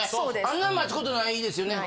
あんな待つことないですよね。